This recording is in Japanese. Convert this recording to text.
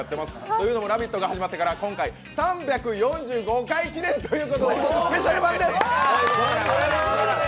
というのも「ラヴィット！」が始まってから今回３４５回目ということでスペシャル版です。